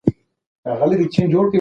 سایکي یو لوی اسټروېډ دی.